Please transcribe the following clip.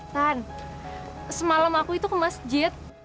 tan semalam aku itu ke masjid